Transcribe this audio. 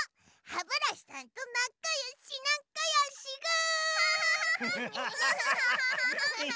ハブラシさんとなかよしなかよしぐ！